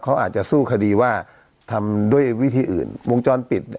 เขาอาจจะสู้คดีว่าทำด้วยวิธีอื่นวงจรปิด